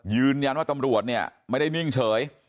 ยืนยันว่าตำรวจเนี่ยไม่ได้นิ่งเฉย